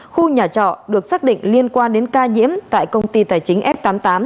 khu nhà trọ được xác định liên quan đến ca nhiễm tại công ty tài chính f tám mươi tám